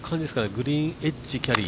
グリーンエッジ、キャリー。